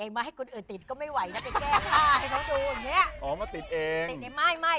ว๊าย